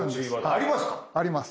あります。